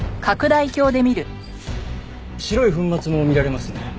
白い粉末も見られますね。